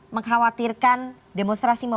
mengkhawatirkan demonstrasi membela